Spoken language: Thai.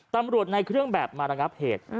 ตำรวจในเครื่องแบบมาระงับเหตุ